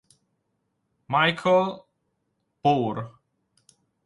Michael Baur